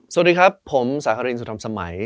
สวัสดีครับผมสาครินสุธรรมสมัย